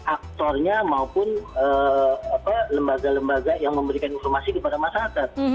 aktornya maupun lembaga lembaga yang memberikan informasi kepada masyarakat